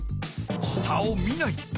下を見ない。